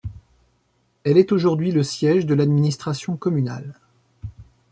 Elle est aujourd'hui le siège de l'administration communale.